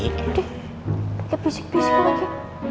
dik dia bisik bisik lagi